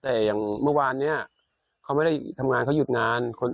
แต่อย่างเมื่อวานเนี่ยเขาไม่ได้ทำงานเขาหยุดงาน